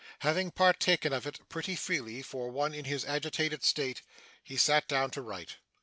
Having partaken of it, pretty freely for one in his agitated state, he sat down to write.